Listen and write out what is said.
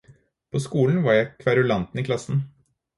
På skolen var jeg kverulanten i klassen.